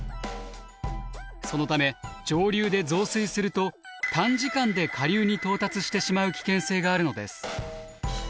そのため上流で増水すると短時間で下流に到達してしまう危険性があるのです。